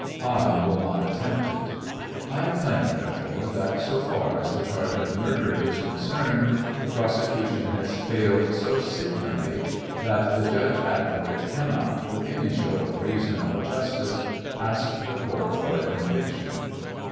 I will not attempt it. 1 claim, therefore, that, so far as the charge of murder is concerned, the pros ecution has failed so signally that the judge advocate cannot, with any show of teaaon or justice, ask the court for a conviction.